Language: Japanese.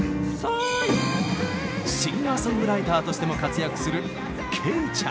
シンガーソングライターとしても活躍するけいちゃん。